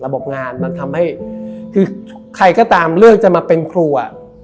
ระบบงานมันทำให้ใครก็ตามเลือกมาเป็นครัว